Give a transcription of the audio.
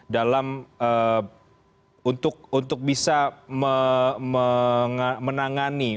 dalam untuk bisa menangani